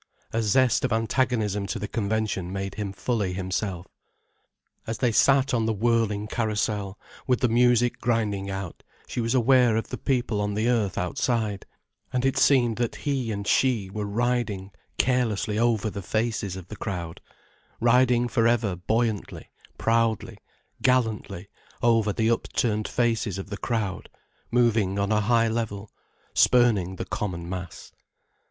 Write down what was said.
A zest of antagonism to the convention made him fully himself. As they sat on the whirling carousal, with the music grinding out, she was aware of the people on the earth outside, and it seemed that he and she were riding carelessly over the faces of the crowd, riding for ever buoyantly, proudly, gallantly over the upturned faces of the crowd, moving on a high level, spurning the common mass.